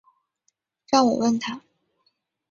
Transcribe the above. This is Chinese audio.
让我问他